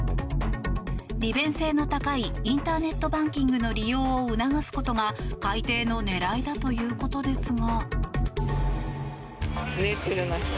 利便性の高いインターネットバンキングの利用を促すことが改定の狙いだということですが。